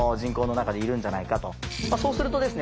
そうするとですね